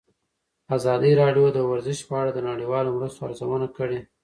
ازادي راډیو د ورزش په اړه د نړیوالو مرستو ارزونه کړې.